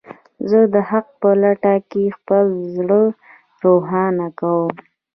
زه د حق په لټه کې خپل زړه روښانه کوم.